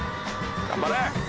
頑張れ！